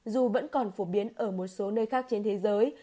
dù vẫn còn phổ biến ở một số nơi khác trên thế giới